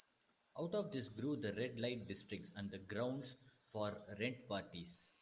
Out of this grew the red light districts and the grounds for rent parties.